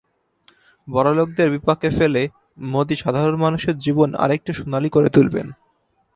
বড়লোকদের বিপাকে ফেলে মোদি সাধারণ মানুষের জীবন আরেকটু সোনালি করে তুলবেন।